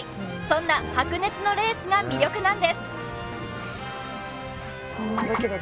そんな白熱のレースが魅力なんです